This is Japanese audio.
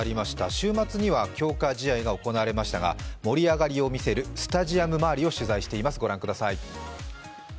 週末には強化試合が行われましたが、盛り上がりを見せるスタジアム周りを取材しています。